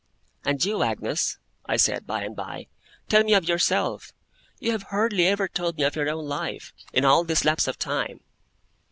'And you, Agnes,' I said, by and by. 'Tell me of yourself. You have hardly ever told me of your own life, in all this lapse of time!